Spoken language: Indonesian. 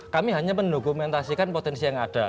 kami hanya mendokumentasikan potensi yang ada